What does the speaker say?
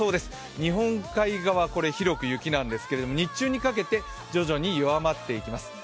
日本海側、広く雪なんですが、日中にかけて徐々に弱まっていきます。